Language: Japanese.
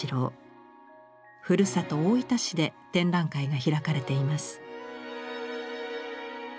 ふるさと大分市で展覧会が開かれています。